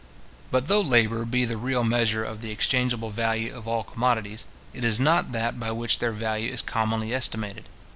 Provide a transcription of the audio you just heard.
But though labour be the real measure of the exchangeable value of all commodities, it is not that by which their value is commonly estimated.